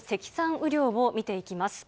雨量を見ていきます。